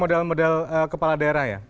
modal modal kepala daerah ya